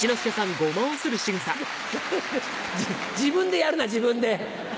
フフフ自分でやるな自分で。